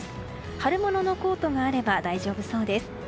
春物のコートがあれば大丈夫そうです。